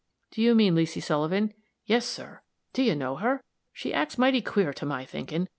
"Do you mean Leesy Sullivan?" "Yes, sir. Do you know her? She acts mighty queer, to my thinkin'.